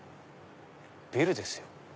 ビルですよ。